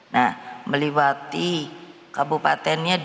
nah melibati kabupatennya dua puluh